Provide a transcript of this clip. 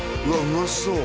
うまそう